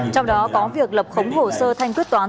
trong đó có việc lập khống hồ sơ thanh quyết toán